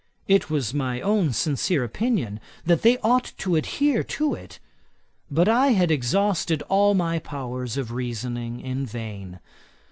It was my own sincere opinion, that they ought to adhere to it; but I had exhausted all my powers of reasoning in vain.